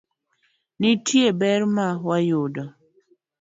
nitie ber ma wayudo.